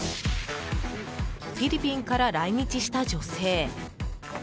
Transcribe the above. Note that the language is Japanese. フィリピンから来日した女性。